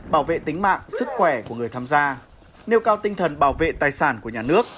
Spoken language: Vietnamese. bảo vệ tính mạng sức khỏe của người tham gia nêu cao tinh thần bảo vệ tài sản của nhà nước